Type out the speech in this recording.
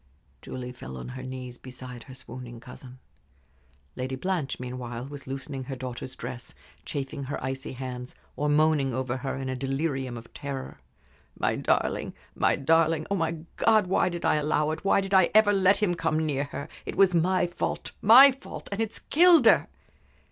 Julie fell on her knees beside her swooning cousin. Lady Blanche, meanwhile, was loosening her daughter's dress, chafing her icy hands, or moaning over her in a delirium of terror. "My darling my darling! Oh, my God! Why did I allow it? Why did I ever let him come near her? It was my fault my fault! And it's killed her!"